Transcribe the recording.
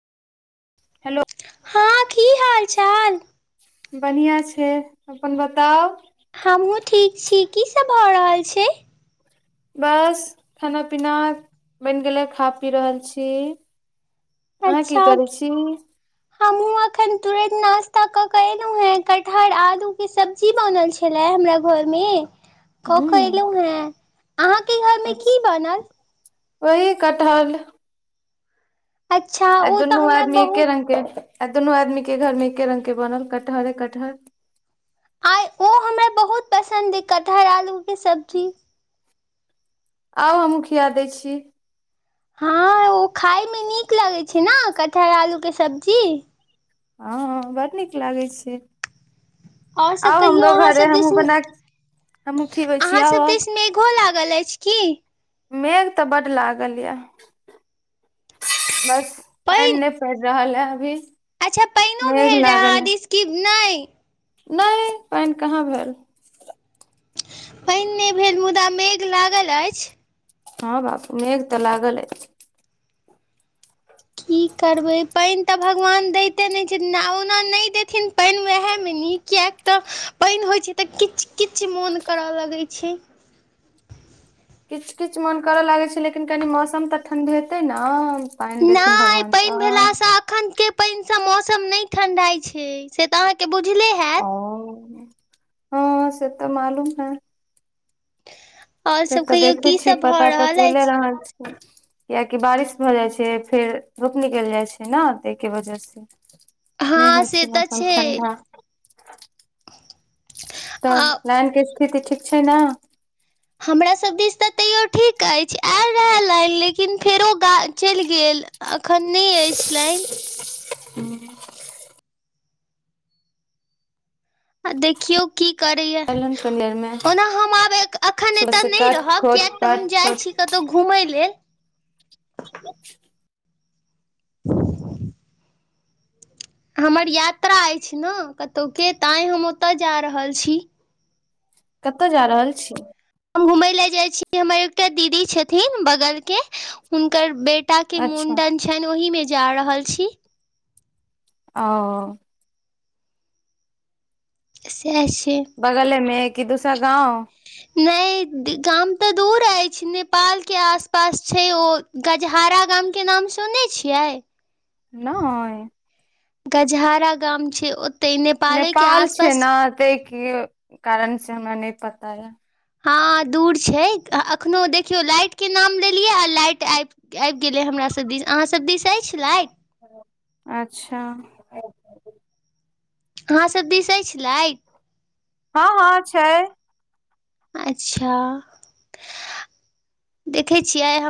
hello हँ की हाल चाल बढ़िआँ छै अपन बताउ हमहुँ ठीक छी की सब भऽ रहल छै बस खाना पीना बैन गेले खा पी रहल छी अहाँ अच्छा करै की छी हमहुँ अखन तुरत नाास्ता क के एलहु है कटहर आलू के सब्जी बनल छलै हमरा घर मे क ह के एलहु हे अहाँके घर मे की बनल ओहि कटहल अच्छा आइ ओ तऽ दुनू हमरा आदमी एके बहुत रंग के आ दुनू आदमी के घर में एके रंग के बनल कटहरे कटहर आइ ओ हमरा बहुत पसन्द अइ कठहर आलूके सब्जी आउ हमहु खिया दै छी हँ ओ खायमे नीक लगै छै न कटहर आलूके सब्जी हँ बड नीक लागै छै और सब आउ कहियौ हमरो अहाँ घरे सब हमहु दिस बना हमहु खीबै अहाँ छी सब आउ आउ दिस मेघो लागल अइछ की मेघ तऽ बड्ड लागल यऽ बस पानि पाइन नहि पैड़ रहल है अभी अच्छा पाइनो मेघ भेल रहै अहाँ दिस कि नइ नइ पानि कहाँ भेल पानि नहि भेल मुदा मेघ लागल अछि हँ बाप मेघ तऽ लागल अछि की करबै पाइन तऽ भगवान दैते नहि छथिन आ ओना नइ देथिन पाइन वएह मे नीक कियाकि तऽ पाइन होइ छै तऽ किचकिच मोन करऽ लगै छै किच किच मोन करय लागै छै लेकिन कनि मौसम तऽ ठण्ढेतै न पाइन देथिन भगवान तऽ अखन के पाइनसँ मौसम नइ ठण्डाइ छै से तऽ अहाँके बुझले हैत ओ हँ से तऽ मालूम है आओर से सभ तऽ कहियौ देखे की छीयै सब भऽ पता तऽ रहल चैले अछि रहल छी कियाकि बारिश भऽ जाइ छै फेर धूप निकैल जाइ छै ने तैके वजह से नहि हँ होइ से छै तऽ मौसम ठ्डा तऽ आ लैन के स्थिति ठीक छै ने हमरासब दिश तऽ तैयो ठीक अइछ आयल रहे लाइन लेकिन फेरो गा चैल गेल अखन नहि अइछ लाइन हुँ आ देखियौ की करैय एलहन कनि देर मे ओना हम आब अखन ए सुबह से नहि कट रहब खोट कियक तऽ हम कट जाइ खोट छी कतहु घुमय लेल [inaudible] ह [unintelligible] हमर यात्रा अइछ ने कतौके ताँ हम ओतय जा रहल छी कत जा रहल छी हम घूमय ले जाय छी हमर एकटा दीदी छथिन बगल के हुनकर बेट टा के अच्छा मुण्डन छैन ओहि मे जा रहल छी औ सेह छै बगलमे की दुसर गाँव नहि गाम तऽ दूर अइछ नेपालके आसपास छै ओ गजहारा गामके नाम सुनै छियै नई गजहारा गाम छै ओ नेपाल छै ने तैके कारण से हमरा नहि पता य हँ दूर छै अखनो देखियौ लाइट के नाम लेलियै आ लाइट आइब आइब गेलै हमरा सब दिस अहाँसब दिस अइछ लाइट अच्छा अहाँ सब बिसै छलै हँ हँ छै अच्छा देखै छियै हम